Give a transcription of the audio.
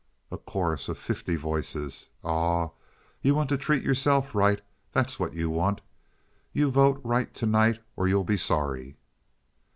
A Chorus of Fifty Voices. "Aw! You want to treat yourself right, that's what you want. You vote right to night or you'll be sorry."